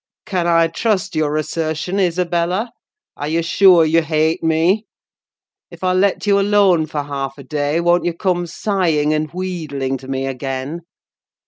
Can I trust your assertion, Isabella? Are you sure you hate me? If I let you alone for half a day, won't you come sighing and wheedling to me again?